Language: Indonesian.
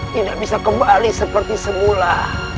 tidak bisa kembali seperti semula